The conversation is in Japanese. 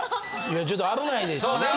ちょっと危ないですしね！